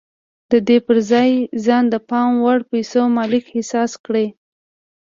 د دې پر ځای ځان د پام وړ پيسو مالک احساس کړئ.